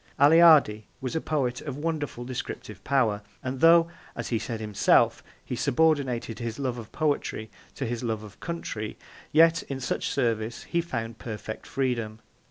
Aleardi was a poet of wonderful descriptive power, and though, as he said himself, he subordinated his love of poetry to his love of country, yet in such service he found perfect freedom.